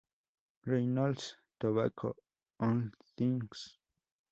Reynolds Tobacco Holdings, Inc.